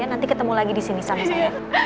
nanti ketemu lagi di sini sama saya